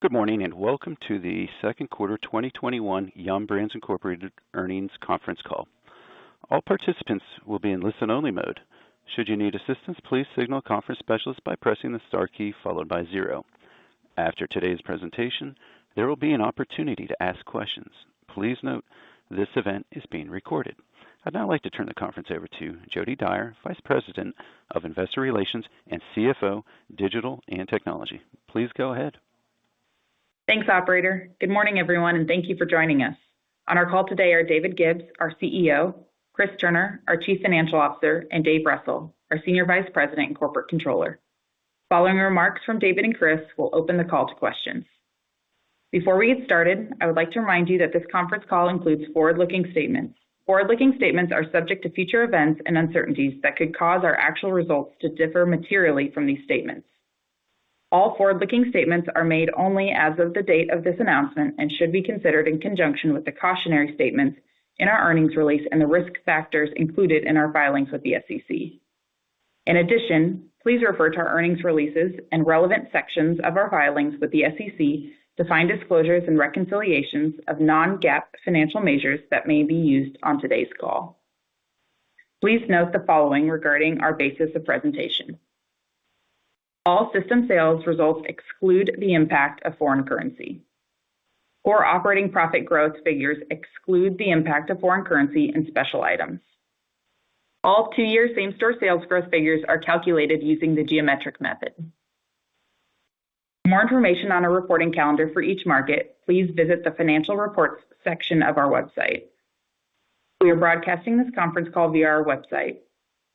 Good morning, welcome to the Second Quarter 2021 Yum! Brands Incorporated Earnings Conference Call. All participants will be in listen-only mode. Should you need assistance, please signal a conference specialist by pressing the star key followed by zero. After today's presentation, there will be an opportunity to ask questions. Please note, this event is being recorded. I'd now like to turn the conference over to Jodi Dyer, Vice President of Investor Relations and CFO, Digital and Technology. Please go ahead. Thanks, operator. Good morning, everyone, and thank you for joining us. On our call today are David Gibbs, our CEO, Chris Turner, our Chief Financial Officer, and Dave Russell, our Senior Vice President and Corporate Controller. Following remarks from David and Chris, we'll open the call to questions. Before we get started, I would like to remind you that this conference call includes forward-looking statements. Forward-looking statements are subject to future events and uncertainties that could cause our actual results to differ materially from these statements. All forward-looking statements are made only as of the date of this announcement and should be considered in conjunction with the cautionary statements in our earnings release and the risk factors included in our filings with the SEC. Please refer to our earnings releases and relevant sections of our filings with the SEC to find disclosures and reconciliations of non-GAAP financial measures that may be used on today's call. Please note the following regarding our basis of presentation. All system sales results exclude the impact of foreign currency. Core operating profit growth figures exclude the impact of foreign currency and special items. All two-year same-store sales growth figures are calculated using the geometric method. For more information on our reporting calendar for each market, please visit the financial reports section of our website. We are broadcasting this conference call via our website.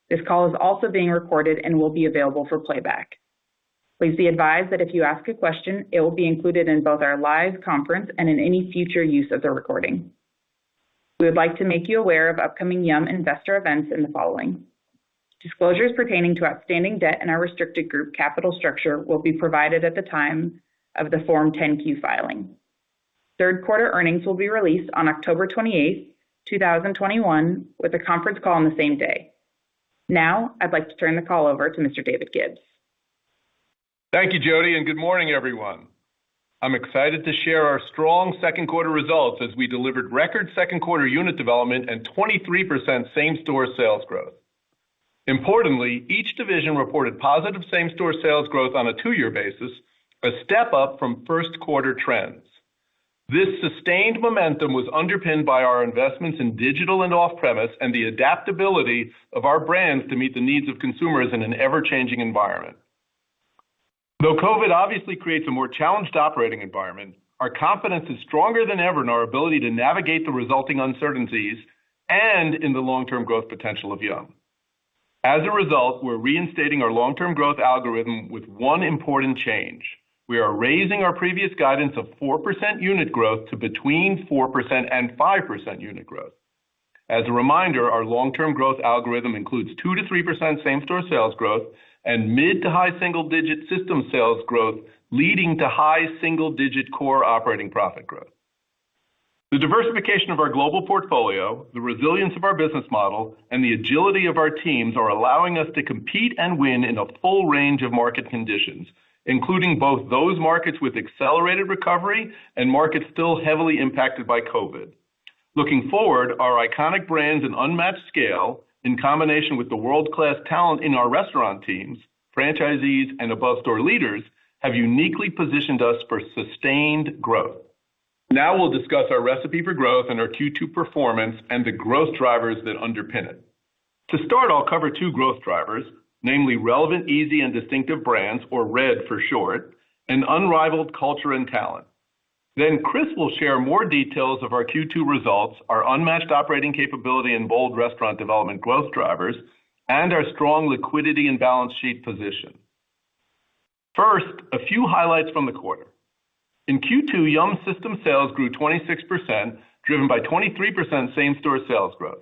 This call is also being recorded and will be available for playback. Please be advised that if you ask a question, it will be included in both our live conference and in any future use of the recording. We would like to make you aware of upcoming Yum! investor events in the following. Disclosures pertaining to outstanding debt in our restricted group capital structure will be provided at the time of the Form 10-Q filing. Third quarter earnings will be released on October 28th, 2021, with a conference call on the same day. Now, I'd like to turn the call over to Mr. David Gibbs. Thank you, Jodi, good morning, everyone. I'm excited to share our strong second quarter results as we delivered record second quarter unit development and 23% same-store sales growth. Importantly, each division reported positive same-store sales growth on a two-year basis, a step up from first quarter trends. This sustained momentum was underpinned by our investments in digital and off-premise, the adaptability of our brands to meet the needs of consumers in an ever-changing environment. Though COVID obviously creates a more challenged operating environment, our confidence is stronger than ever in our ability to navigate the resulting uncertainties and in the long-term growth potential of Yum!. As a result, we're reinstating our long-term growth algorithm with one important change. We are raising our previous guidance of 4% unit growth to between 4% and 5% unit growth. As a reminder, our long-term growth algorithm includes 2%-3% same-store sales growth and mid to high single-digit system sales growth, leading to high single-digit core operating profit growth. The diversification of our global portfolio, the resilience of our business model, and the agility of our teams are allowing us to compete and win in a full range of market conditions, including both those markets with accelerated recovery and markets still heavily impacted by COVID. Looking forward, our iconic brands and unmatched scale, in combination with the world-class talent in our restaurant teams, franchisees, and above store leaders, have uniquely positioned us for sustained growth. Now we'll discuss our recipe for growth and our Q2 performance and the growth drivers that underpin it. To start, I'll cover two growth drivers, namely Relevant, Easy, and Distinctive brands, or R.E.D for short, and unrivaled culture and talent. Chris will share more details of our Q2 results, our unmatched operating capability and bold restaurant development growth drivers, and our strong liquidity and balance sheet position. First, a few highlights from the quarter. In Q2, Yum! system sales grew 26%, driven by 23% same-store sales growth.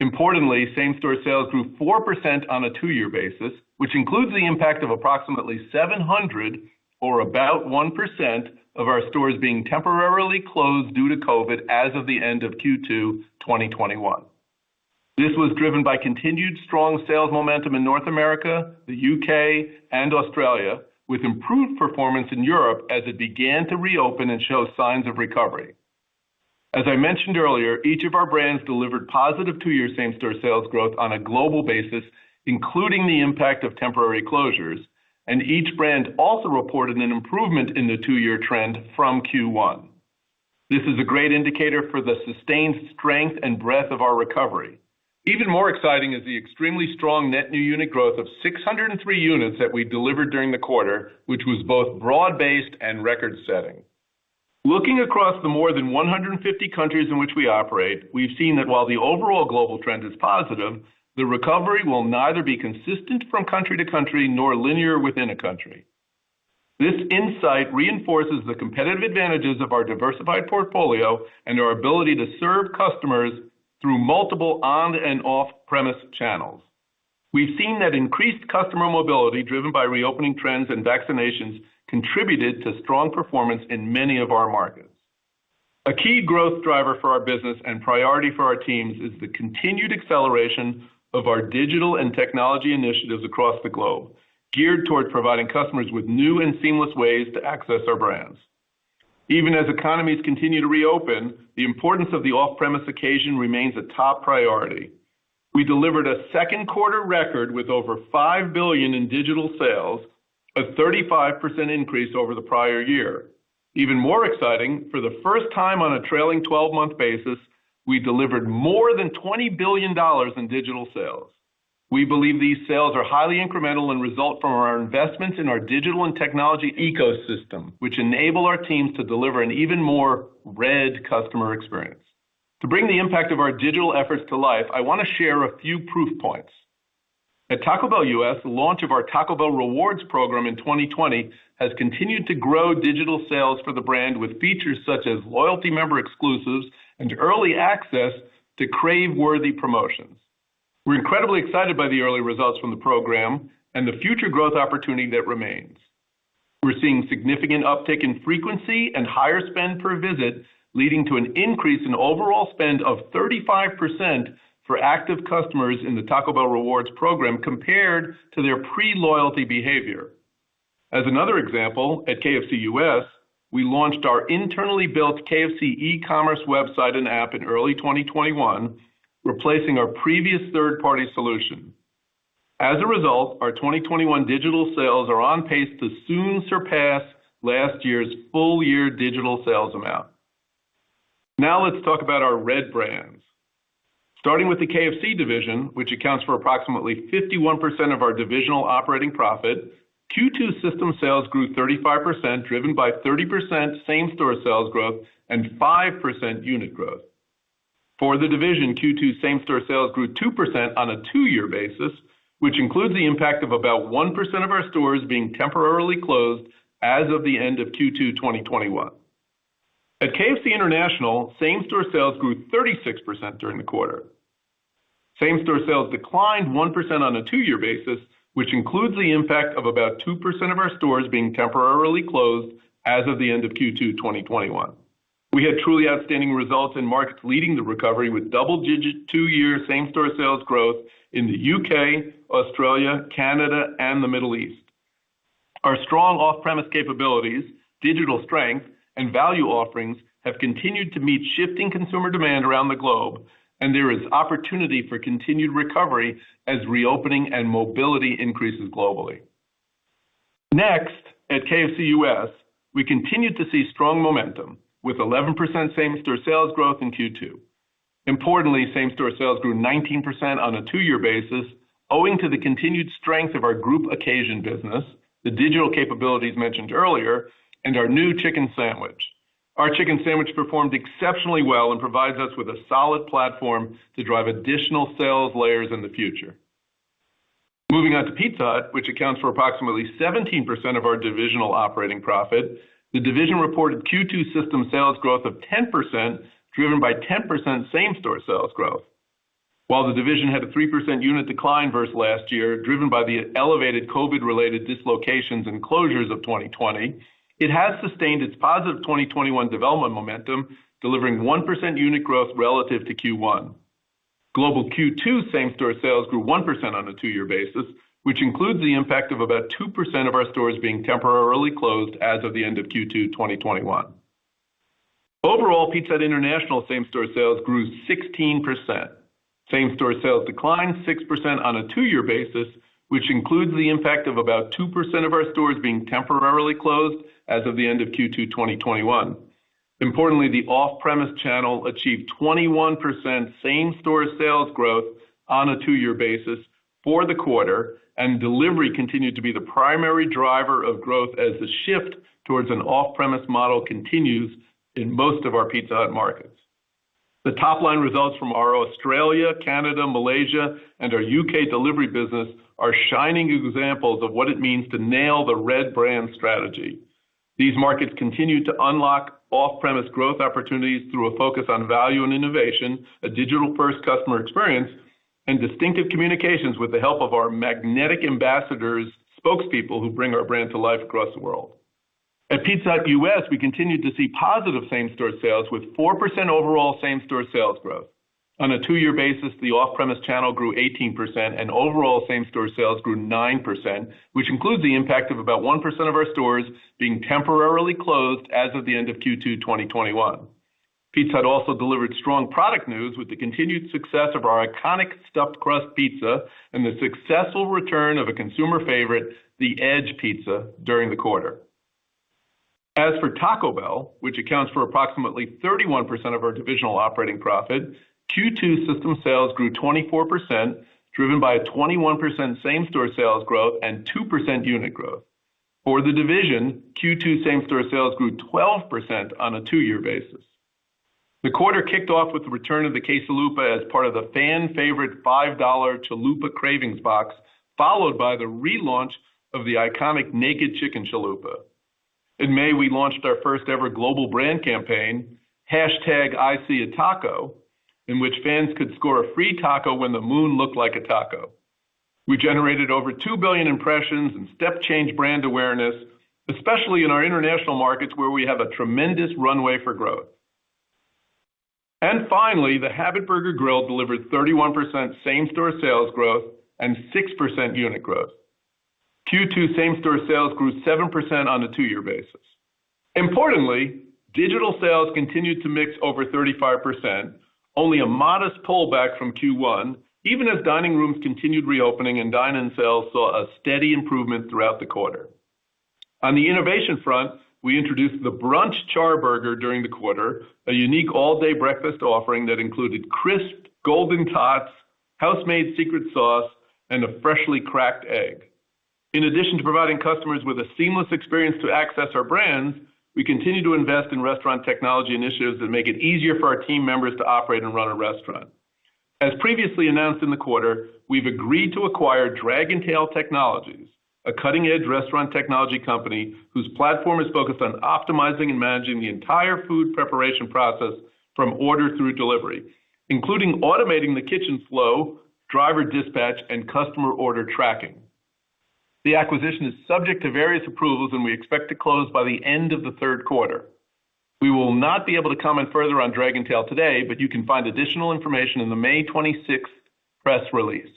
Importantly, same-store sales grew 4% on a two-year basis, which includes the impact of approximately 700 or about 1% of our stores being temporarily closed due to COVID as of the end of Q2 2021. This was driven by continued strong sales momentum in North America, the U.K., and Australia, with improved performance in Europe as it began to reopen and show signs of recovery. As I mentioned earlier, each of our brands delivered positive two-year same-store sales growth on a global basis, including the impact of temporary closures, and each brand also reported an improvement in the two-year trend from Q1. This is a great indicator for the sustained strength and breadth of our recovery. Even more exciting is the extremely strong net new unit growth of 603 units that we delivered during the quarter, which was both broad-based and record-setting. Looking across the more than 150 countries in which we operate, we've seen that while the overall global trend is positive, the recovery will neither be consistent from country to country nor linear within a country. This insight reinforces the competitive advantages of our diversified portfolio and our ability to serve customers through multiple on and off premise channels. We've seen that increased customer mobility driven by reopening trends and vaccinations contributed to strong performance in many of our markets. A key growth driver for our business and priority for our teams is the continued acceleration of our digital and technology initiatives across the globe, geared towards providing customers with new and seamless ways to access our brands. Even as economies continue to reopen, the importance of the off-premise occasion remains a top priority. We delivered a second quarter record with over $5 billion in digital sales, a 35% increase over the prior year. Even more exciting, for the first time on a trailing 12-month basis, we delivered more than $20 billion in digital sales. We believe these sales are highly incremental and result from our investments in our digital and technology ecosystem, which enable our teams to deliver an even more R.E.D customer experience. To bring the impact of our digital efforts to life, I want to share a few proof points. At Taco Bell U.S., the launch of our Taco Bell Rewards program in 2020 has continued to grow digital sales for the brand with features such as loyalty member exclusives and early access to crave-worthy promotions. We're incredibly excited by the early results from the program and the future growth opportunity that remains. We're seeing significant uptick in frequency and higher spend per visit, leading to an increase in overall spend of 35% for active customers in the Taco Bell Rewards program compared to their pre-loyalty behavior. As another example, at KFC U.S., we launched our internally built KFC e-commerce website and app in early 2021, replacing our previous third-party solution. As a result, our 2021 digital sales are on pace to soon surpass last year's full-year digital sales amount. Now let's talk about our R.E.D brands. Starting with the KFC division, which accounts for approximately 51% of our divisional operating profit, Q2 system sales grew 35%, driven by 30% same-store sales growth and 5% unit growth. For the division, Q2 same-store sales grew 2% on a two-year basis, which includes the impact of about 1% of our stores being temporarily closed as of the end of Q2 2021. At KFC International, same-store sales grew 36% during the quarter. Same-store sales declined 1% on a two-year basis, which includes the impact of about 2% of our stores being temporarily closed as of the end of Q2 2021. We had truly outstanding results in markets leading the recovery with double-digit two-year same-store sales growth in the U.K., Australia, Canada, and the Middle East. Our strong off-premise capabilities, digital strength, and value offerings have continued to meet shifting consumer demand around the globe, and there is opportunity for continued recovery as reopening and mobility increases globally. Next, at KFC U.S., we continued to see strong momentum with 11% same-store sales growth in Q2. Importantly, same-store sales grew 19% on a two-year basis owing to the continued strength of our group occasion business, the digital capabilities mentioned earlier, and our new Chicken Sandwich. Our Chicken Sandwich performed exceptionally well and provides us with a solid platform to drive additional sales layers in the future. Moving on to Pizza Hut, which accounts for approximately 17% of our divisional operating profit, the division reported Q2 system sales growth of 10%, driven by 10% same-store sales growth. While the division had a 3% unit decline versus last year, driven by the elevated COVID-related dislocations and closures of 2020, it has sustained its positive 2021 development momentum, delivering 1% unit growth relative to Q1. Global Q2 same-store sales grew 1% on a two-year basis, which includes the impact of about 2% of our stores being temporarily closed as of the end of Q2 2021. Overall, Pizza Hut International same-store sales grew 16%. Same-store sales declined 6% on a two-year basis, which includes the impact of about 2% of our stores being temporarily closed as of the end of Q2 2021. Importantly, the off-premise channel achieved 21% same-store sales growth on a two-year basis for the quarter, and delivery continued to be the primary driver of growth as the shift towards an off-premise model continues in most of our Pizza Hut markets. The top-line results from our Australia, Canada, Malaysia, and our U.K. delivery business are shining examples of what it means to nail the R.E.D brand strategy. These markets continue to unlock off-premise growth opportunities through a focus on value and innovation, a digital-first customer experience, and distinctive communications with the help of our magnetic ambassadors spokespeople who bring our brand to life across the world. At Pizza Hut U.S., we continued to see positive same-store sales with 4% overall same-store sales growth. On a two-year basis, the off-premise channel grew 18%, and overall same-store sales grew 9%, which includes the impact of about 1% of our stores being temporarily closed as of the end of Q2 2021. Pizza Hut also delivered strong product news with the continued success of our iconic Stuffed Crust pizza and the successful return of a consumer favorite, The Edge pizza, during the quarter. As for Taco Bell, which accounts for approximately 31% of our divisional operating profit, Q2 system sales grew 24%, driven by a 21% same-store sales growth and 2% unit growth. For the division, Q2 same-store sales grew 12% on a two-year basis. The quarter kicked off with the return of the Quesalupa as part of the fan favorite $5 Chalupa Cravings Box, followed by the relaunch of the iconic Naked Chicken Chalupa. In May, we launched our first-ever global brand campaign, #ISeeATaco, in which fans could score a free taco when the moon looked like a taco. We generated over 2 billion impressions and step change brand awareness, especially in our international markets where we have a tremendous runway for growth. Finally, The Habit Burger Grill delivered 31% same-store sales growth and 6% unit growth. Q2 same-store sales grew 7% on a two-year basis. Importantly, digital sales continued to mix over 35%, only a modest pullback from Q1, even as dining rooms continued reopening and dine-in sales saw a steady improvement throughout the quarter. On the innovation front, we introduced the Brunch Charburger during the quarter, a unique all-day breakfast offering that included crisp, golden tots, house-made secret sauce, and a freshly cracked egg. In addition to providing customers with a seamless experience to access our brands, we continue to invest in restaurant technology initiatives that make it easier for our team members to operate and run a restaurant. As previously announced in the quarter, we've agreed to acquire Dragontail technology, a cutting-edge restaurant technology company whose platform is focused on optimizing and managing the entire food preparation process from order through delivery, including automating the kitchen flow, driver dispatch, and customer order tracking. The acquisition is subject to various approvals, and we expect to close by the end of the third quarter. We will not be able to comment further on Dragontail today, but you can find additional information in the May 26 press release.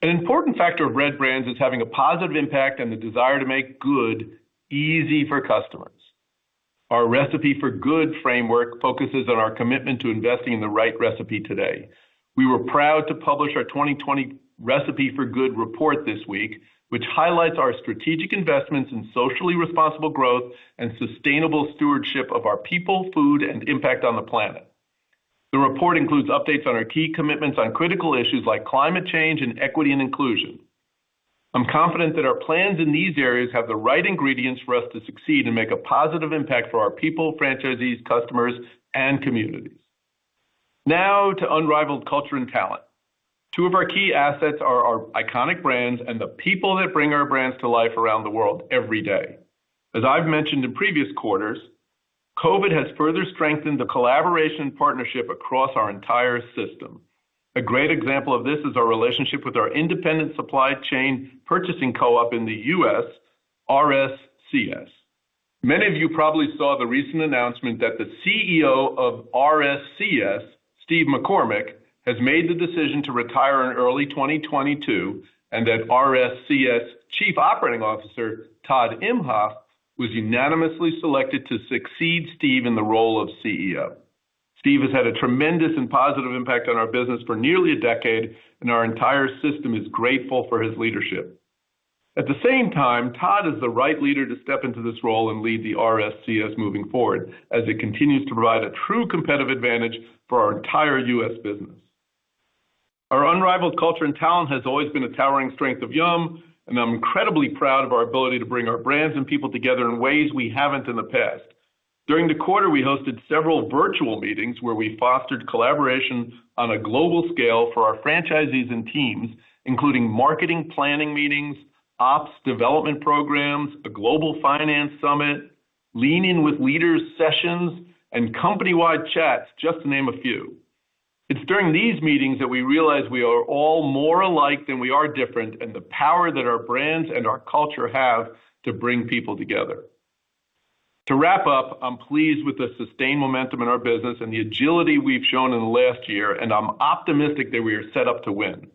An important factor of Yum! Brands is having a positive impact and the desire to make good easy for customers. Our Recipe for Good framework focuses on our commitment to investing in the right recipe today. We were proud to publish our 2020 Recipe for Good report this week, which highlights our strategic investments in socially responsible growth and sustainable stewardship of our people, food, and impact on the planet. The report includes updates on our key commitments on critical issues like climate change and equity and inclusion. I'm confident that our plans in these areas have the right ingredients for us to succeed and make a positive impact for our people, franchisees, customers, and communities. To unrivaled culture and talent. Two of our key assets are our iconic brands and the people that bring our brands to life around the world every day. As I've mentioned in previous quarters, COVID has further strengthened the collaboration partnership across our entire system. A great example of this is our relationship with our independent supply chain purchasing co-op in the U.S., RSCS. Many of you probably saw the recent announcement that the CEO of RSCS, Steve McCormick, has made the decision to retire in early 2022. RSCS Chief Operating Officer, Todd Imhoff, was unanimously selected to succeed Steve in the role of CEO. Steve has had a tremendous and positive impact on our business for nearly a decade, and our entire system is grateful for his leadership. At the same time, Todd is the right leader to step into this role and lead the RSCS moving forward as it continues to provide a true competitive advantage for our entire U.S. business. Our unrivaled culture and talent has always been a towering strength of Yum! and I'm incredibly proud of our ability to bring our brands and people together in ways we haven't in the past. During the quarter, we hosted several virtual meetings where we fostered collaboration on a global scale for our franchisees and teams, including marketing planning meetings, ops development programs, a global finance summit, lean in with leaders sessions, and company-wide chats, just to name a few. It's during these meetings that we realize we are all more alike than we are different, and the power that our brands and our culture have to bring people together. To wrap up, I'm pleased with the sustained momentum in our business and the agility we've shown in the last year, and I'm optimistic that we are set up to win.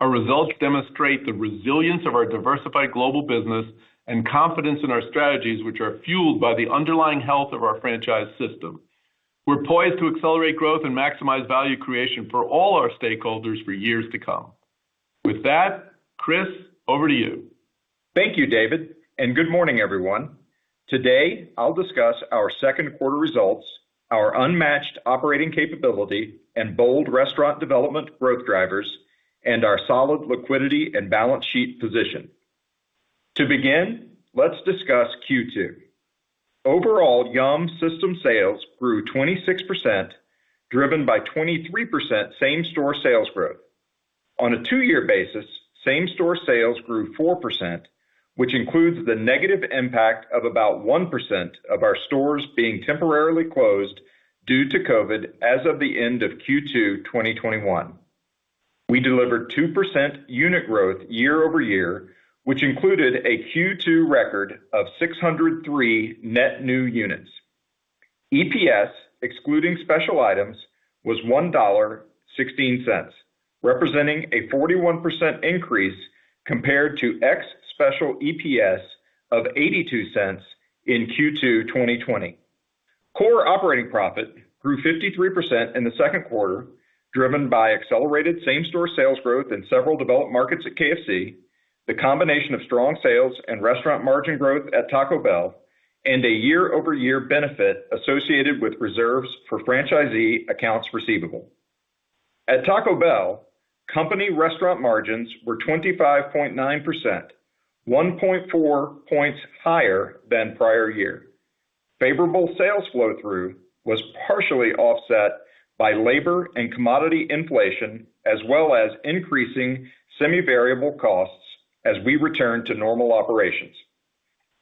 Our results demonstrate the resilience of our diversified global business and confidence in our strategies, which are fueled by the underlying health of our franchise system. We're poised to accelerate growth and maximize value creation for all our stakeholders for years to come. With that, Chris, over to you. Thank you, David, and good morning, everyone. Today, I'll discuss our second quarter results, our unmatched operating capability and bold restaurant development growth drivers, and our solid liquidity and balance sheet position. To begin, let's discuss Q2. Overall, Yum! system sales grew 26%, driven by 23% same store sales growth. On a two-year basis, same store sales grew 4%, which includes the negative impact of about 1% of our stores being temporarily closed due to COVID as of the end of Q2 2021. We delivered 2% unit growth year-over-year, which included a Q2 record of 603 net new units. EPS, excluding special items, was $1.16, representing a 41% increase compared to ex-special EPS of $0.82 in Q2 2020. Core operating profit grew 53% in the second quarter, driven by accelerated same store sales growth in several developed markets at KFC, the combination of strong sales and restaurant margin growth at Taco Bell, and a year-over-year benefit associated with reserves for franchisee accounts receivable. At Taco Bell, company restaurant margins were 25.9%, 1.4 points higher than prior year. Favorable sales flow through was partially offset by labor and commodity inflation, as well as increasing semi-variable costs as we return to normal operations.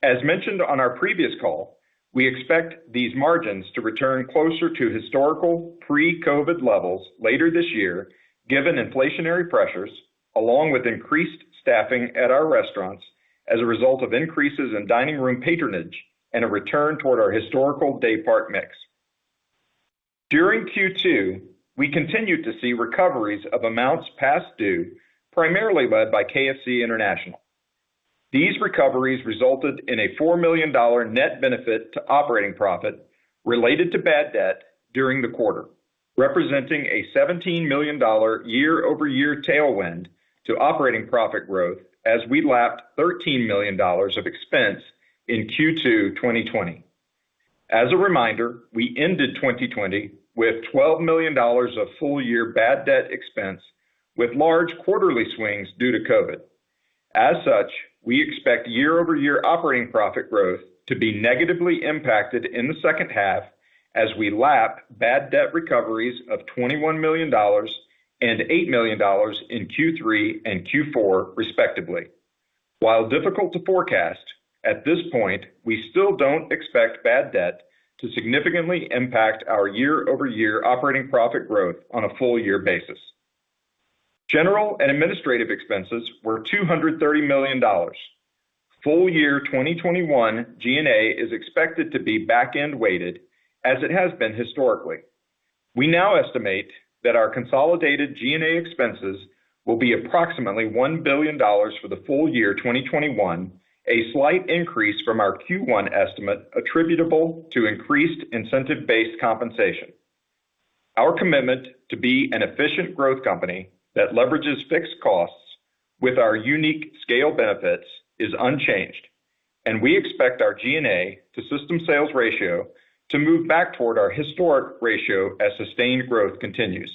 As mentioned on our previous call, we expect these margins to return closer to historical pre-COVID levels later this year, given inflationary pressures, along with increased staffing at our restaurants as a result of increases in dining room patronage and a return toward our historical daypart mix. During Q2, we continued to see recoveries of amounts past due, primarily led by KFC International. These recoveries resulted in a $4 million net benefit to operating profit related to bad debt during the quarter, representing a $17 million year-over-year tailwind to operating profit growth as we lapped $13 million of expense in Q2 2020. As a reminder, we ended 2020 with $12 million of full-year bad debt expense with large quarterly swings due to COVID. As such, we expect year-over-year operating profit growth to be negatively impacted in the second half as we lap bad debt recoveries of $21 million and $8 million in Q3 and Q4, respectively. While difficult to forecast, at this point, we still don't expect bad debt to significantly impact our year-over-year operating profit growth on a full-year basis. General and administrative expenses were $230 million. Full year 2021 G&A is expected to be back-end weighted as it has been historically. We now estimate that our consolidated G&A expenses will be approximately $1 billion for the full year 2021, a slight increase from our Q1 estimate attributable to increased incentive-based compensation. Our commitment to be an efficient growth company that leverages fixed costs with our unique scale benefits is unchanged, and we expect our G&A to system sales ratio to move back toward our historic ratio as sustained growth continues.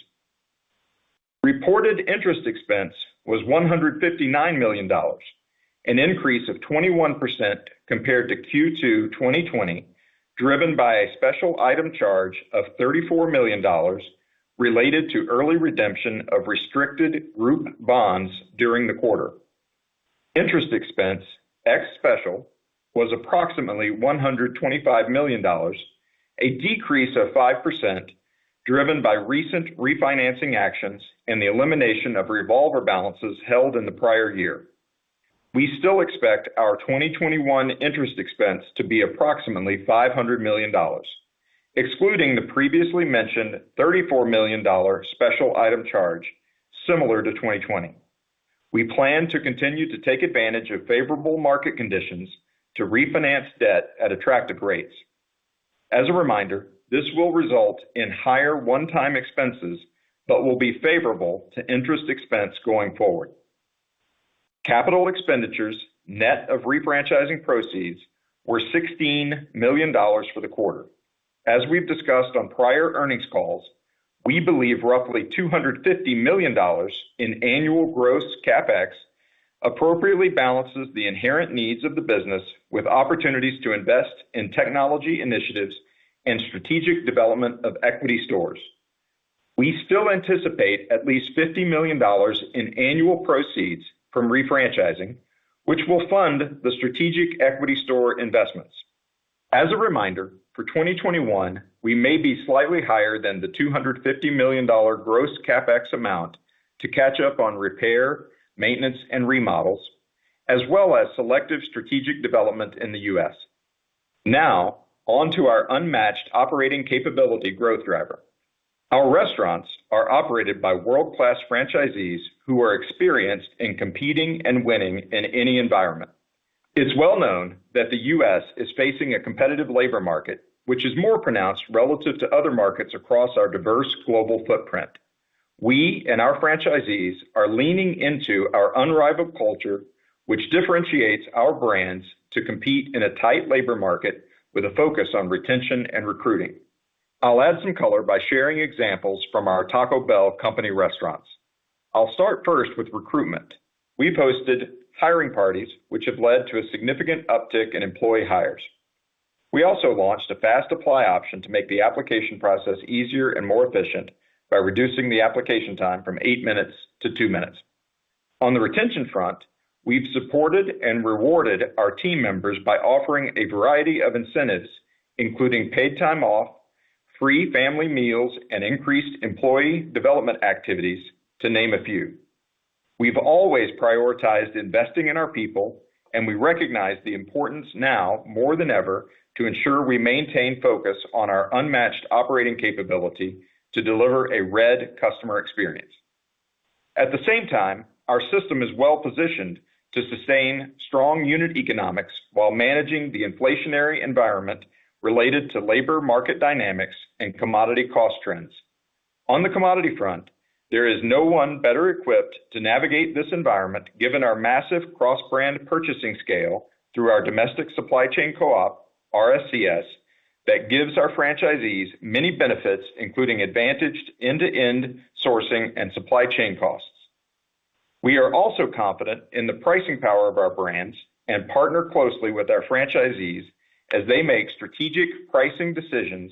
Reported interest expense was $159 million, an increase of 21% compared to Q2 2020, driven by a special item charge of $34 million related to early redemption of restricted group bonds during the quarter. Interest expense, ex special, was approximately $125 million, a decrease of 5%, driven by recent refinancing actions and the elimination of revolver balances held in the prior year. We still expect our 2021 interest expense to be approximately $500 million, excluding the previously mentioned $34 million special item charge similar to 2020. We plan to continue to take advantage of favorable market conditions to refinance debt at attractive rates. As a reminder, this will result in higher one-time expenses, but will be favorable to interest expense going forward. Capital expenditures net of refranchising proceeds were $16 million for the quarter. As we've discussed on prior earnings calls, we believe roughly $250 million in annual gross CapEx appropriately balances the inherent needs of the business with opportunities to invest in technology initiatives and strategic development of equity stores. We still anticipate at least $50 million in annual proceeds from refranchising, which will fund the strategic equity store investments. As a reminder, for 2021, we may be slightly higher than the $250 million gross CapEx amount to catch up on repair, maintenance, and remodels, as well as selective strategic development in the U.S. Onto our unmatched operating capability growth driver. Our restaurants are operated by world-class franchisees who are experienced in competing and winning in any environment. It's well known that the U.S. is facing a competitive labor market, which is more pronounced relative to other markets across our diverse global footprint. We and our franchisees are leaning into our unrivaled culture, which differentiates our brands to compete in a tight labor market with a focus on retention and recruiting. I'll add some color by sharing examples from our Taco Bell company restaurants. I'll start first with recruitment. We've hosted hiring parties, which have led to a significant uptick in employee hires. We also launched a Fast Apply option to make the application process easier and more efficient by reducing the application time from eight minutes to two minutes. On the retention front, we've supported and rewarded our team members by offering a variety of incentives, including paid time off, free family meals, and increased employee development activities, to name a few. We've always prioritized investing in our people, and we recognize the importance now more than ever, to ensure we maintain focus on our unmatched operating capability to deliver a R.E.D customer experience. At the same time, our system is well positioned to sustain strong unit economics while managing the inflationary environment related to labor market dynamics and commodity cost trends. On the commodity front, there is no one better equipped to navigate this environment given our massive cross-brand purchasing scale through our domestic supply chain co-op, RSCS, that gives our franchisees many benefits, including advantaged end-to-end sourcing and supply chain costs. We are also confident in the pricing power of our brands and partner closely with our franchisees as they make strategic pricing decisions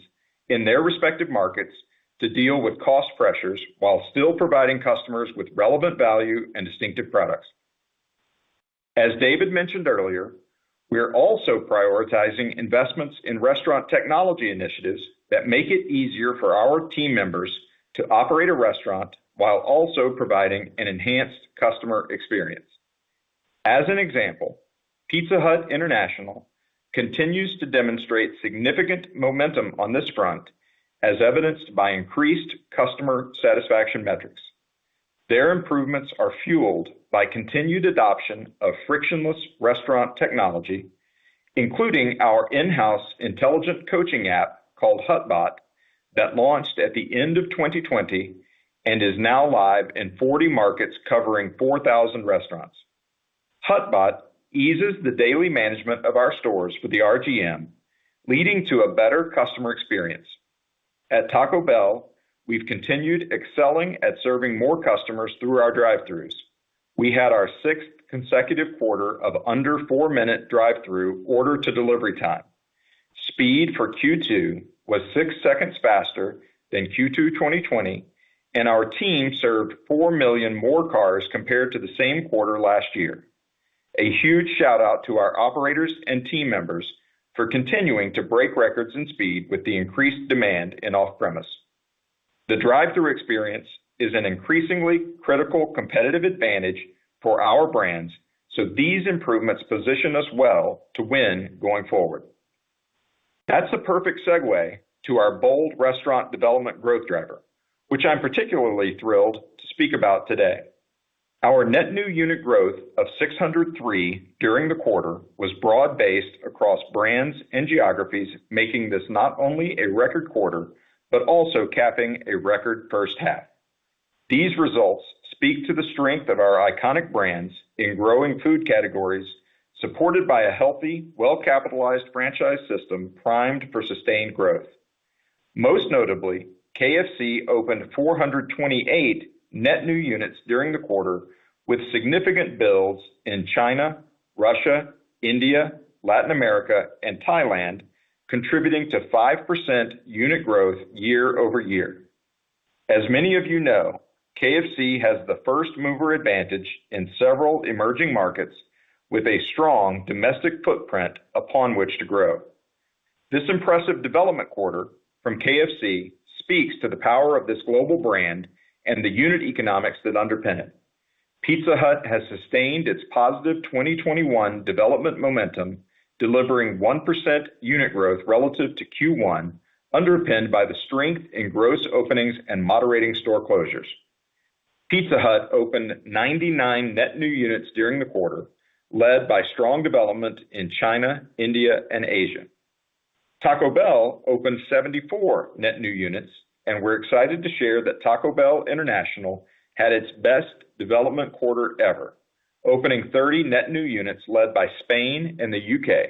in their respective markets to deal with cost pressures while still providing customers with relevant value and distinctive products. As David mentioned earlier, we are also prioritizing investments in restaurant technology initiatives that make it easier for our team members to operate a restaurant while also providing an enhanced customer experience. As an example, Pizza Hut International continues to demonstrate significant momentum on this front, as evidenced by increased customer satisfaction metrics. Their improvements are fueled by continued adoption of frictionless restaurant technology, including our in-house intelligent coaching app called HutBot, that launched at the end of 2020 and is now live in 40 markets covering 4,000 restaurants. HutBot eases the daily management of our stores for the RGM, leading to a better customer experience. At Taco Bell, we've continued excelling at serving more customers through our drive-throughs. We had our sixth consecutive quarter of under four-minute drive-through order to delivery time. Speed for Q2 was six seconds faster than Q2 2020, and our team served 4 million more cars compared to the same quarter last year. A huge shout-out to our operators and team members for continuing to break records in speed with the increased demand in off-premise. The drive-through experience is an increasingly critical competitive advantage for our brands, so these improvements position us well to win going forward. That's the perfect segue to our bold restaurant development growth driver, which I'm particularly thrilled to speak about today. Our net new unit growth of 603 during the quarter was broad-based across brands and geographies, making this not only a record quarter, but also capping a record first half. These results speak to the strength of our iconic brands in growing food categories, supported by a healthy, well-capitalized franchise system primed for sustained growth. Most notably, KFC opened 428 net new units during the quarter with significant builds in China, Russia, India, Latin America, and Thailand, contributing to 5% unit growth year-over-year. As many of you know, KFC has the first-mover advantage in several emerging markets with a strong domestic footprint upon which to grow. This impressive development quarter from KFC speaks to the power of this global brand and the unit economics that underpin it. Pizza Hut has sustained its positive 2021 development momentum, delivering 1% unit growth relative to Q1, underpinned by the strength in gross openings and moderating store closures. Pizza Hut opened 99 net new units during the quarter, led by strong development in China, India, and Asia. We're excited to share that Taco Bell International had its best development quarter ever, opening 30 net new units led by Spain and the U.K.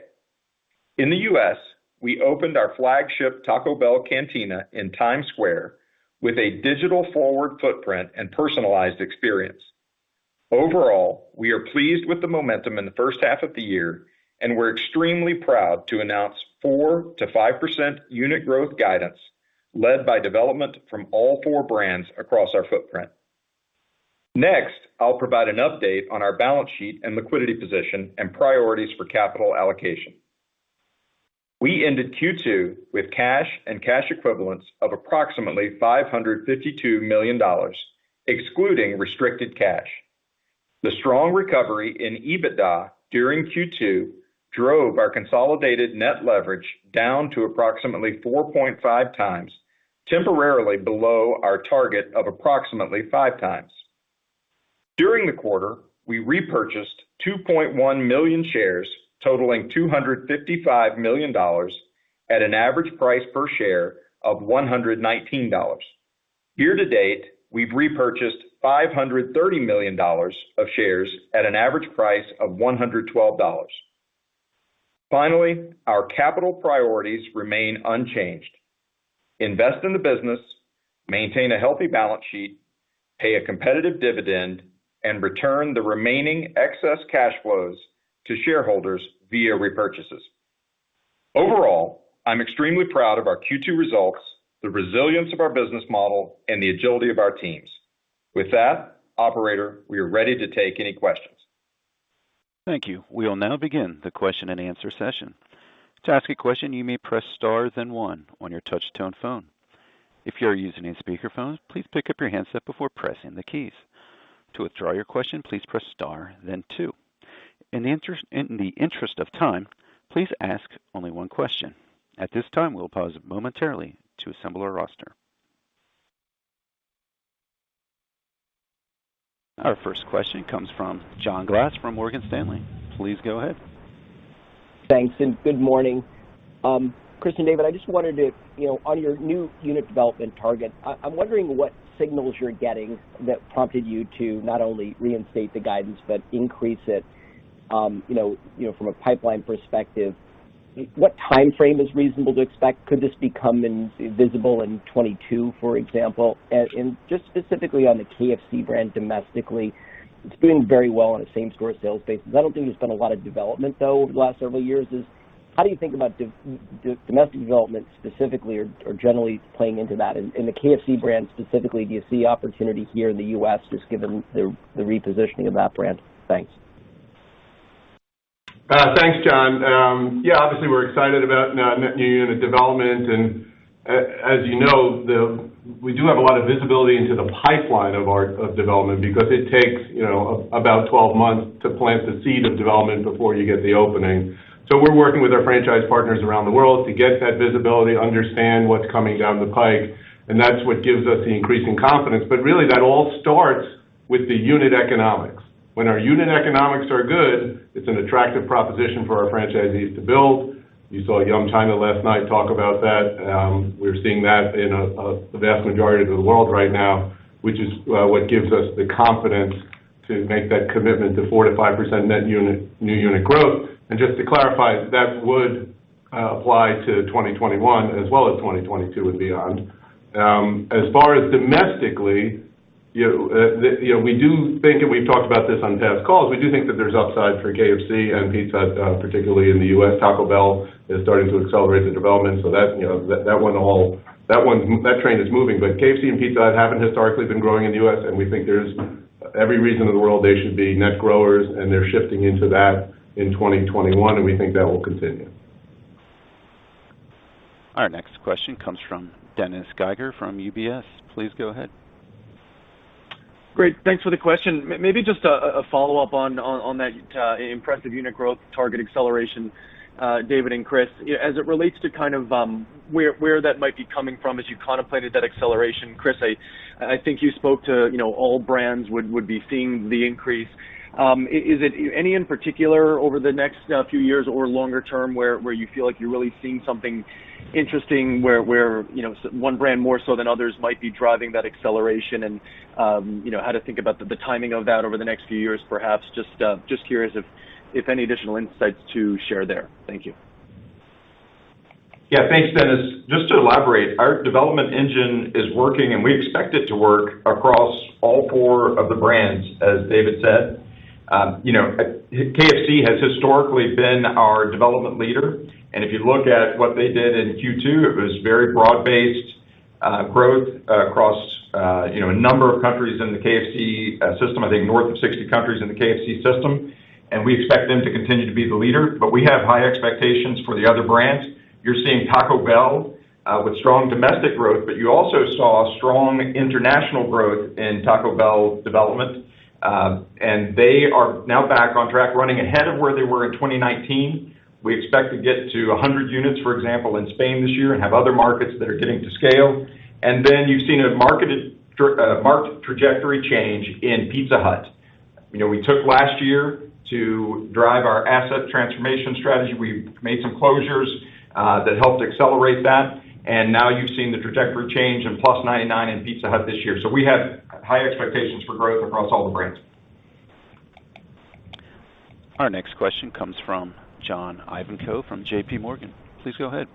In the U.S., we opened our flagship Taco Bell Cantina in Times Square with a digital-forward footprint and personalized experience. Overall, we are pleased with the momentum in the first half of the year, we're extremely proud to announce 4%-5% unit growth guidance led by development from all four brands across our footprint. Next, I'll provide an update on our balance sheet and liquidity position and priorities for capital allocation. We ended Q2 with cash and cash equivalents of approximately $552 million, excluding restricted cash. The strong recovery in EBITDA during Q2 drove our consolidated net leverage down to approximately 4.5x, temporarily below our target of approximately 5x. During the quarter, we repurchased 2.1 million shares totaling $255 million at an average price per share of $119. Year to date, we've repurchased $530 million of shares at an average price of $112. Finally, our capital priorities remain unchanged. Invest in the business, maintain a healthy balance sheet, pay a competitive dividend, and return the remaining excess cash flows to shareholders via repurchases. Overall, I'm extremely proud of our Q2 results, the resilience of our business model, and the agility of our teams. With that, operator, we are ready to take any questions. Thank you. We will now begin the question and answer session. Our first question comes from John Glass from Morgan Stanley. Please go ahead. Thanks. Good morning. Chris and David, on your new unit development target, I'm wondering what signals you're getting that prompted you to not only reinstate the guidance but increase it from a pipeline perspective. What time frame is reasonable to expect? Could this become visible in 2022, for example? Just specifically on the KFC brand domestically. It's doing very well on a same-store sales basis. I don't think there's been a lot of development though, over the last several years. How do you think about domestic development specifically or generally playing into that? In the KFC brand specifically, do you see opportunity here in the U.S., just given the repositioning of that brand? Thanks. Thanks, John. Yeah, obviously we're excited about net new unit development, and as you know, we do have a lot of visibility into the pipeline of development because it takes about 12 months to plant the seed of development before you get the opening. We're working with our franchise partners around the world to get that visibility, understand what's coming down the pike, and that's what gives us the increasing confidence. Really, that all starts with the unit economics. When our unit economics are good, it's an attractive proposition for our franchisees to build. You saw Yum China last night talk about that. We're seeing that in a vast majority of the world right now, which is what gives us the confidence to make that commitment to 4%-5% net new unit growth. Just to clarify, that would apply to 2021 as well as 2022 and beyond. As far as domestically, we do think, and we've talked about this on past calls, we do think that there's upside for KFC and Pizza Hut, particularly in the U.S. Taco Bell is starting to accelerate the development, so that train is moving. KFC and Pizza Hut haven't historically been growing in the U.S., and we think there's every reason in the world they should be net growers, and they're shifting into that in 2021, and we think that will continue. Our next question comes from Dennis Geiger from UBS. Please go ahead. Great. Thanks for the question. Maybe just a follow-up on that impressive unit growth target acceleration, David and Chris. As it relates to where that might be coming from as you contemplated that acceleration, Chris, I think you spoke to all brands would be seeing the increase. Is it any in particular over the next few years or longer term where you feel like you're really seeing something interesting where one brand more so than others might be driving that acceleration, and how to think about the timing of that over the next few years, perhaps? Just curious if any additional insights to share there. Thank you. Thanks, Dennis. Just to elaborate, our development engine is working, and we expect it to work across all four of the brands, as David said. KFC has historically been our development leader, and if you look at what they did in Q2, it was very broad-based growth across a number of countries in the KFC system, I think north of 60 countries in the KFC system. We expect them to continue to be the leader, but we have high expectations for the other brands. You're seeing Taco Bell with strong domestic growth, but you also saw strong international growth in Taco Bell development. They are now back on track running ahead of where they were in 2019. We expect to get to 100 units, for example, in Spain this year, and have other markets that are getting to scale. You've seen a marked trajectory change in Pizza Hut. We took last year to drive our asset transformation strategy. We made some closures that helped accelerate that. Now you've seen the trajectory change and plus 99 in Pizza Hut this year. We have high expectations for growth across all the brands. Our next question comes from John Ivankoe from JPMorgan. Please go ahead.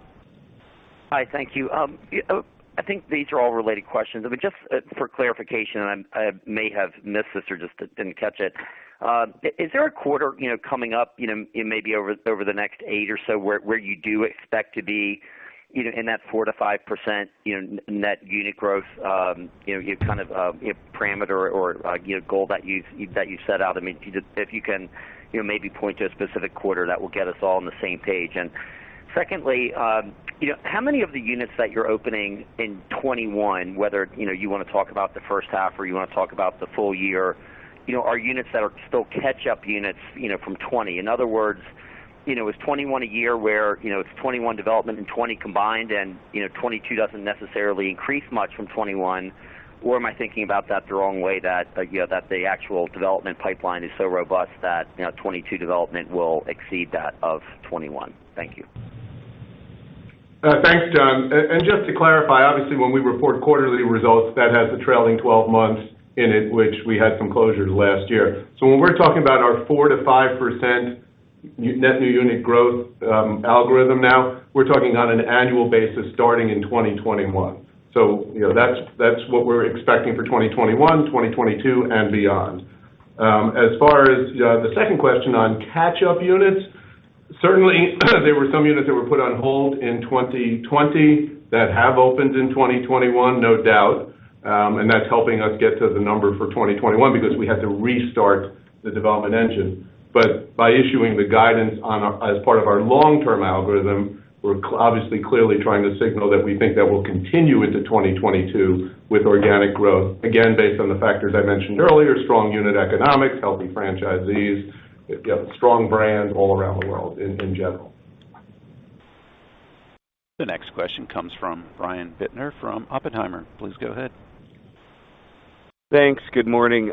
Hi. Thank you. I think these are all related questions. Just for clarification, I may have missed this or just didn't catch it. Is there a quarter coming up in maybe over the next eight or so where you do expect to be in that 4%-5% net unit growth parameter or goal that you set out? If you can maybe point to a specific quarter, that will get us all on the same page. Secondly, how many of the units that you're opening in 2021, whether you want to talk about the first half or you want to talk about the full year, are units that are still catch-up units from 2020? In other words, is 2021 a year where it's 2021 development and 2020 combined, and 2022 doesn't necessarily increase much from 2021? Am I thinking about that the wrong way, that the actual development pipeline is so robust that 2022 development will exceed that of 2021? Thank you. Thanks, John. Just to clarify, obviously, when we report quarterly results, that has the trailing 12 months in it, which we had some closures last year. When we're talking about our 4%-5% net new unit growth algorithm now, we're talking on an annual basis starting in 2021. That's what we're expecting for 2021, 2022, and beyond. As far as the second question on catch-up units, certainly there were some units that were put on hold in 2020 that have opened in 2021, no doubt. That's helping us get to the number for 2021 because we had to restart the development engine. By issuing the guidance as part of our long-term algorithm, we're obviously clearly trying to signal that we think that we'll continue into 2022 with organic growth. Based on the factors I mentioned earlier, strong unit economics, healthy franchisees, strong brands all around the world in general. The next question comes from Brian Bittner from Oppenheimer. Please go ahead. Thanks. Good morning.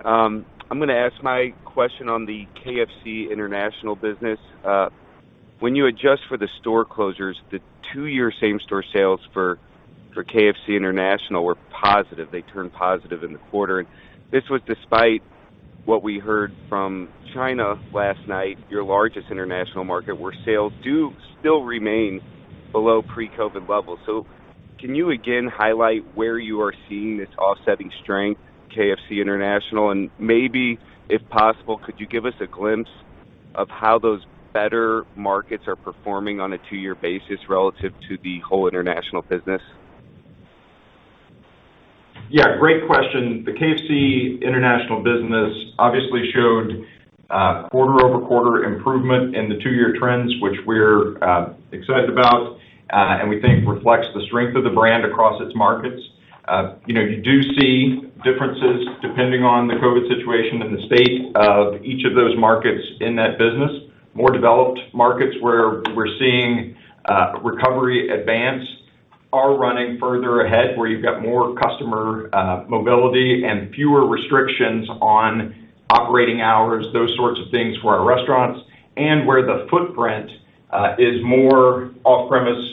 I'm going to ask my question on the KFC International business. When you adjust for the store closures, the two-year same-store sales for KFC International were positive. They turned positive in the quarter. This was despite what we heard from China last night, your largest international market, where sales do still remain below pre-COVID levels. Can you again highlight where you are seeing this offsetting strength, KFC International? Maybe, if possible, could you give us a glimpse of how those better markets are performing on a two-year basis relative to the whole international business? Yeah, great question. The KFC International business obviously showed quarter-over-quarter improvement in the two-year trends, which we're excited about and we think reflects the strength of the brand across its markets. You do see differences depending on the COVID situation in the state of each of those markets in that business. More developed markets where we're seeing recovery advance are running further ahead, where you've got more customer mobility and fewer restrictions on operating hours, those sorts of things for our restaurants, and where the footprint is more off-premise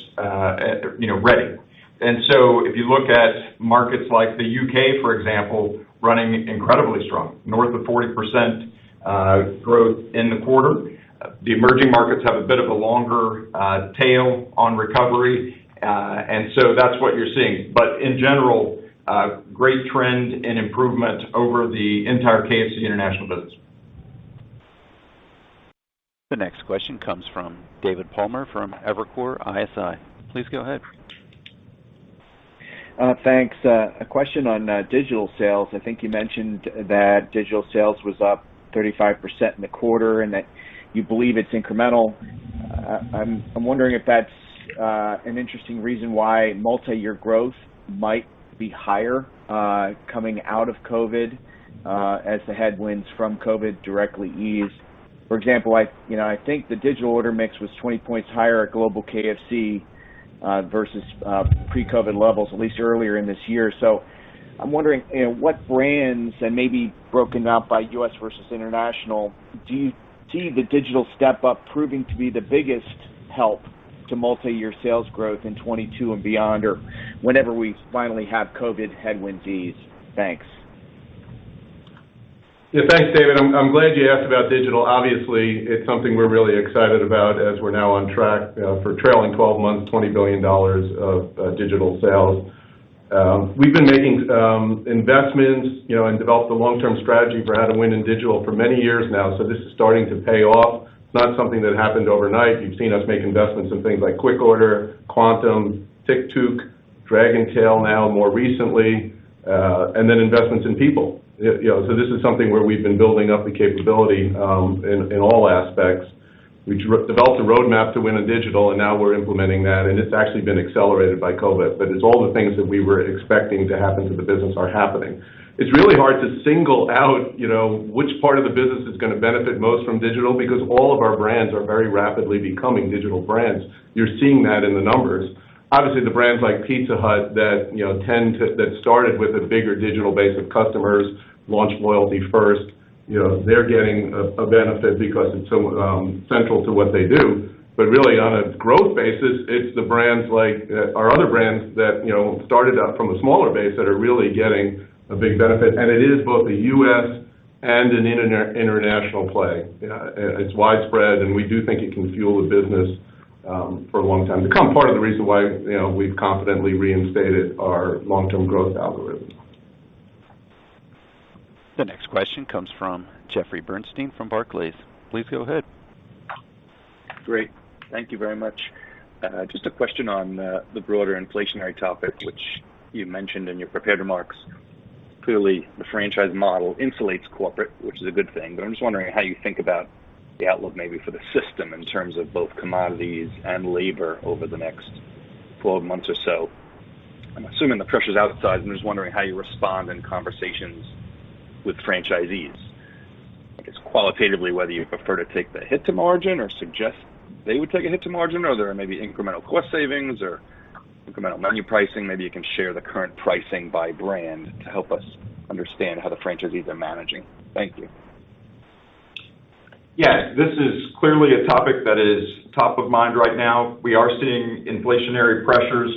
ready. If you look at markets like the U.K., for example, running incredibly strong, north of 40% growth in the quarter. The emerging markets have a bit of a longer tail on recovery. That's what you're seeing. In general, a great trend in improvement over the entire KFC International business. The next question comes from David Palmer from Evercore ISI. Please go ahead. Thanks. A question on digital sales. I think you mentioned that digital sales was up 35% in the quarter, and that you believe it's incremental. I'm wondering if that's an interesting reason why multi-year growth might be higher coming out of COVID, as the headwinds from COVID directly ease. For example, I think the digital order mix was 20 points higher at global KFC versus pre-COVID levels, at least earlier in this year. I'm wondering what brands, and maybe broken out by U.S. versus international, do you see the digital step up proving to be the biggest help to multi-year sales growth in 2022 and beyond, or whenever we finally have COVID headwinds ease? Thanks. Yeah, thanks, David. I'm glad you asked about digital. Obviously, it's something we're really excited about as we're now on track for trailing 12 months, $20 billion of digital sales. We've been making investments and developed a long-term strategy for how to win in digital for many years now. This is starting to pay off. It's not something that happened overnight. You've seen us make investments in things like QuikOrder, Kvantum, Tictuk, Dragontail now more recently, and then investments in people. This is something where we've been building up the capability in all aspects. We developed a roadmap to win in digital, and now we're implementing that, and it's actually been accelerated by COVID. It's all the things that we were expecting to happen to the business are happening. It's really hard to single out which part of the business is going to benefit most from digital because all of our brands are very rapidly becoming digital brands. You're seeing that in the numbers. Obviously, the brands like Pizza Hut that started with a bigger digital base of customers, launched loyalty first. They're getting a benefit because it's so central to what they do. But really on a growth basis, it's the brands like our other brands that started out from a smaller base that are really getting a big benefit, and it is both a U.S. and an international play. It's widespread, and we do think it can fuel the business for a long time to come. Part of the reason why we've confidently reinstated our long-term growth algorithm. The next question comes from Jeffrey Bernstein from Barclays. Please go ahead. Great. Thank you very much. Just a question on the broader inflationary topic, which you mentioned in your prepared remarks. Clearly, the franchise model insulates corporate, which is a good thing. I'm just wondering how you think about the outlook maybe for the system in terms of both commodities and labor over the next 12 months or so. I'm assuming the pressure's outside, I'm just wondering how you respond in conversations with franchisees. I guess qualitatively, whether you prefer to take the hit to margin or suggest they would take a hit to margin, or there are maybe incremental cost savings or incremental menu pricing. Maybe you can share the current pricing by brand to help us understand how the franchisees are managing. Thank you. This is clearly a topic that is top of mind right now. We are seeing inflationary pressures,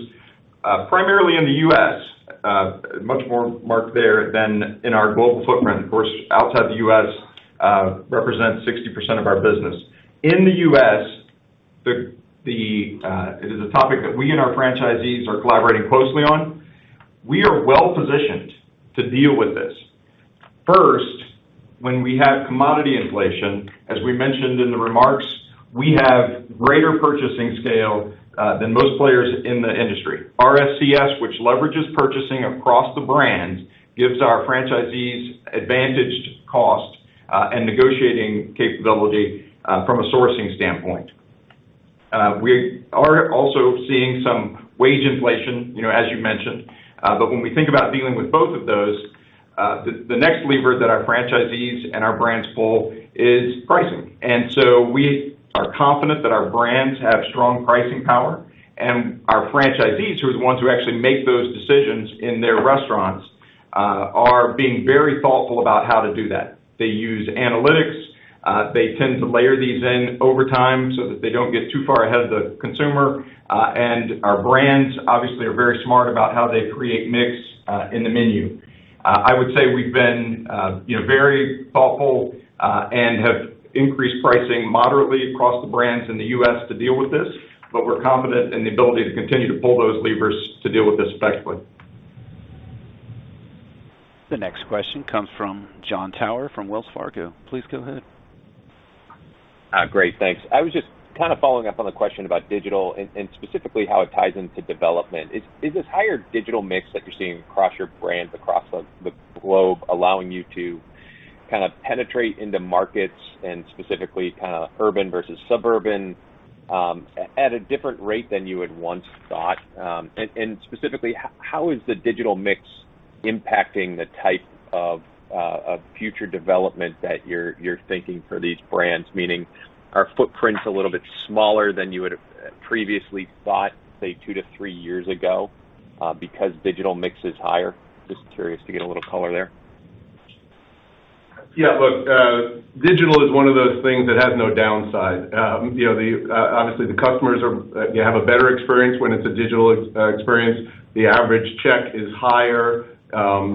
primarily in the U.S. Much more marked there than in our global footprint. Of course, outside the U.S. represents 60% of our business. In the U.S., it is a topic that we and our franchisees are collaborating closely on. We are well-positioned to deal with this. First, when we have commodity inflation, as we mentioned in the remarks, we have greater purchasing scale than most players in the industry. RSCS, which leverages purchasing across the brands, gives our franchisees advantaged cost, and negotiating capability from a sourcing standpoint. We are also seeing some wage inflation as you mentioned. When we think about dealing with both of those, the next lever that our franchisees and our brands pull is pricing. We are confident that our brands have strong pricing power, and our franchisees, who are the ones who actually make those decisions in their restaurants, are being very thoughtful about how to do that. They use analytics. They tend to layer these in over time so that they don't get too far ahead of the consumer. Our brands obviously are very smart about how they create mix in the menu. I would say we've been very thoughtful and have increased pricing moderately across the brands in the U.S. to deal with this, but we're confident in the ability to continue to pull those levers to deal with this effectively. The next question comes from Jon Tower from Wells Fargo. Please go ahead. Great. Thanks. I was just following up on the question about digital, and specifically how it ties into development. Is this higher digital mix that you're seeing across your brands, across the globe, allowing you to penetrate into markets, and specifically urban versus suburban, at a different rate than you had once thought? Specifically, how is the digital mix impacting the type of future development that you're thinking for these brands? Meaning, are footprints a little bit smaller than you would've previously thought, say, two to three years ago because digital mix is higher? Just curious to get a little color there. Yeah. Look, digital is one of those things that has no downside. Obviously, the customers have a better experience when it's a digital experience. The average check is higher.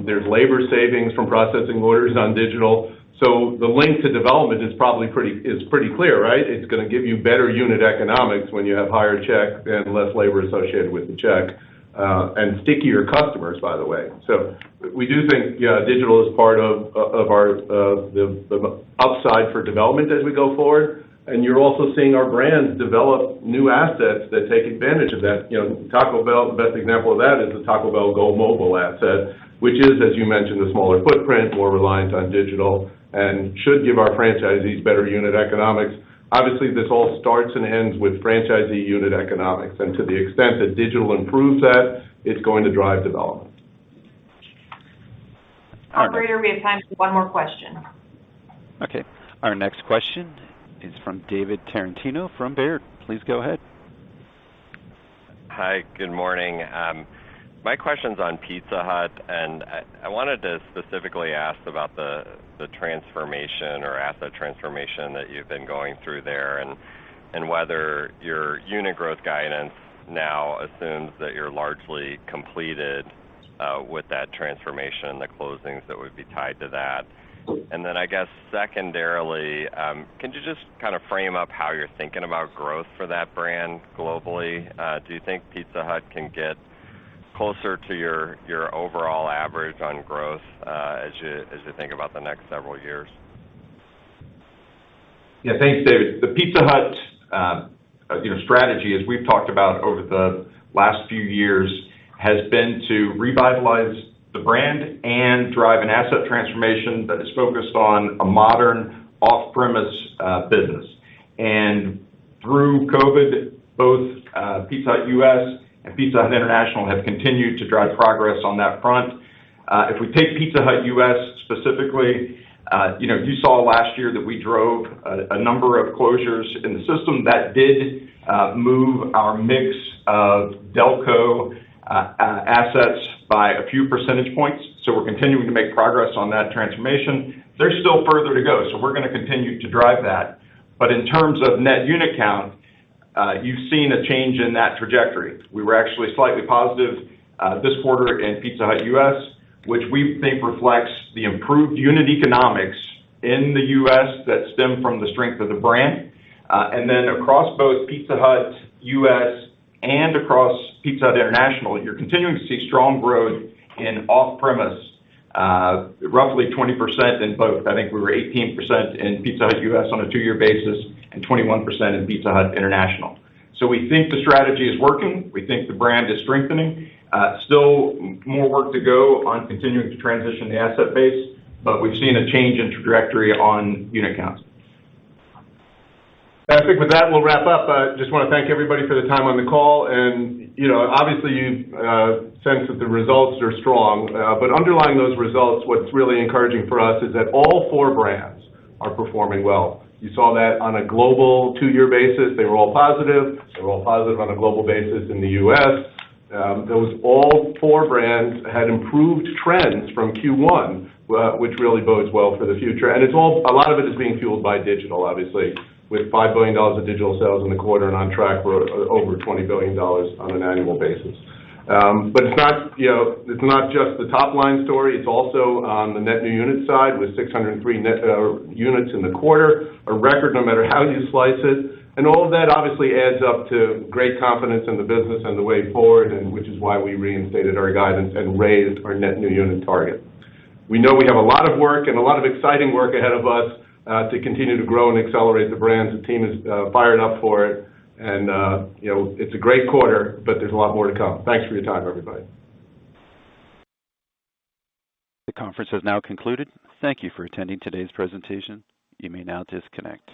There's labor savings from processing orders on digital. The link to development is pretty clear, right. It's going to give you better unit economics when you have higher checks and less labor associated with the check, and stickier customers, by the way. We do think digital is part of the upside for development as we go forward. You're also seeing our brands develop new assets that take advantage of that. Taco Bell, the best example of that is the Taco Bell Go Mobile asset, which is, as you mentioned, a smaller footprint, more reliance on digital, and should give our franchisees better unit economics. Obviously, this all starts and ends with franchisee unit economics. To the extent that digital improves that, it's going to drive development. Operator, we have time for one more question. Okay. Our next question is from David Tarantino from Baird. Please go ahead. Hi. Good morning. My question's on Pizza Hut, and I wanted to specifically ask about the transformation or asset transformation that you've been going through there, and whether your unit growth guidance now assumes that you're largely completed with that transformation, the closings that would be tied to that. I guess secondarily, can you just frame up how you're thinking about growth for that brand globally? Do you think Pizza Hut can get closer to your overall average on growth as you think about the next several years? Thanks, David. The Pizza Hut strategy, as we've talked about over the last few years, has been to revitalize the brand and drive an asset transformation that is focused on a modern off-premise business. Through COVID, both Pizza Hut U.S. and Pizza Hut International have continued to drive progress on that front. If we take Pizza Hut U.S. specifically, you saw last year that we drove a number of closures in the system that did move our mix of Delco assets by a few percentage points. We're continuing to make progress on that transformation. There's still further to go, we're going to continue to drive that. In terms of net unit count, you've seen a change in that trajectory. We were actually slightly positive this quarter in Pizza Hut U.S., which we think reflects the improved unit economics in the U.S. that stem from the strength of the brand. Then across both Pizza Hut U.S. and across Pizza Hut International, you're continuing to see strong growth in off-premise, roughly 20% in both. I think we were 18% in Pizza Hut U.S. on a two-year basis, and 21% in Pizza Hut International. We think the strategy is working. We think the brand is strengthening. Still more work to go on continuing to transition the asset base, but we've seen a change in trajectory on unit counts. I think with that, we'll wrap up. I just want to thank everybody for the time on the call. Obviously, you sense that the results are strong. Underlying those results, what's really encouraging for us is that all four brands are performing well. You saw that on a global two-year basis, they were all positive. They're all positive on a global basis in the U.S. Those all four brands had improved trends from Q1, which really bodes well for the future. A lot of it is being fueled by digital, obviously, with $5 billion of digital sales in the quarter and on track for over $20 billion on an annual basis. It's not just the top-line story, it's also on the net new unit side with 603 net units in the quarter, a record no matter how you slice it. All of that obviously adds up to great confidence in the business and the way forward, which is why we reinstated our guidance and raised our net new unit target. We know we have a lot of work and a lot of exciting work ahead of us to continue to grow and accelerate the brands. The team is fired up for it. It's a great quarter, but there's a lot more to come. Thanks for your time, everybody. The conference has now concluded. Thank you for attending today's presentation. You may now disconnect.